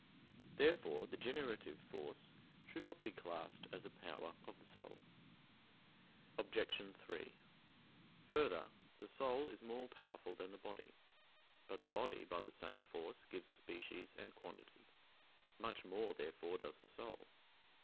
Therefore the generative force should not be classed as a power of the soul. Obj. 3: Further, the soul is more powerful than the body. But the body by the same force gives species and quantity; much more, therefore, does the soul.